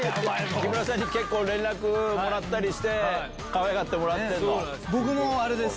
木村さんに、結構連絡もらったりして、かわいがってもらってるの？